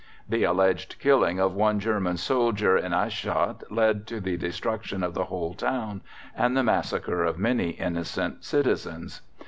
The alleged killing of one German soldier in Aerschot led to the destruction of the whole town and the massacre of many innocent citizens.